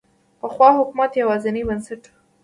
پخوا حکومت یوازینی بنسټ و.